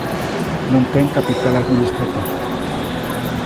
Non ten capital administrativa.